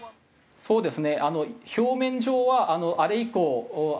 そうですね